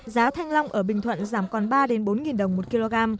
giá thanh long ở bình thuận giảm còn ba bốn đồng một kg